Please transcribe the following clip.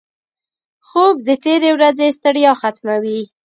خوب د تېرې ورځې ستړیا ختموي